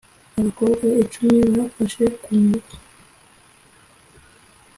abakobwa icumi bafashe ku ngufu